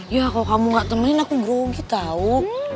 ya kalau kamu nggak temenin aku grogi tau